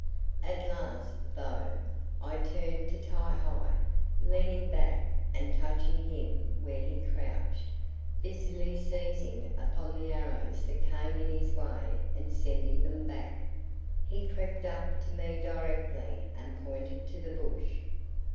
At last, though, I turned to Ti hi, leaning back and touching him where he crouched, busily seizing upon the arrows that came in his way and sending them back. He crept up to me directly and I pointed to the bush.